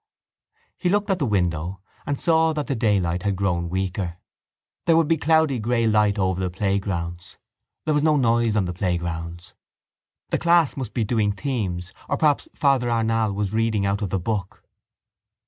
He looked at the window and saw that the daylight had grown weaker. There would be cloudy grey light over the playgrounds. There was no noise on the playgrounds. The class must be doing the themes or perhaps Father Arnall was reading out of the book.